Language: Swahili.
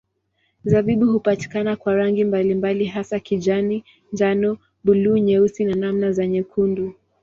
Zabibu hupatikana kwa rangi mbalimbali hasa kijani, njano, buluu, nyeusi na namna za nyekundu.